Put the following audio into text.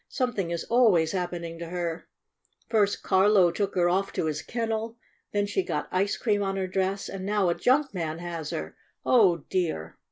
Something is always hap pening to her! First Carlo took her off to his kennel, then she got ice cream on her dress, and now a junk man has her! Oh, dear!"